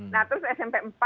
nah terus smp empat